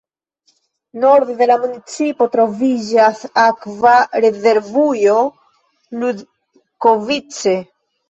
Norde de la municipo troviĝas Akva rezervujo Ludkovice.